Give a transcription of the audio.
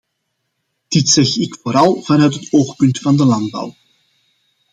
Dit zeg ik vooral vanuit het oogpunt van de landbouw.